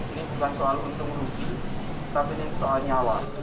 ini bukan soal untung rugi tapi ini soal nyawa